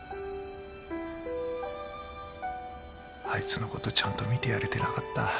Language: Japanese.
あいつのことちゃんと見てやれてなかった。